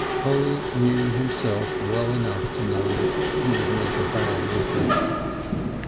Polly knew himself well enough to know he would make a bad witness.